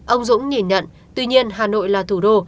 ông dũng nhìn nhận tuy nhiên hà nội là thủ đô